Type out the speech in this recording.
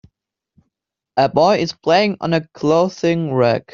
A boy is playing on a clothing rack.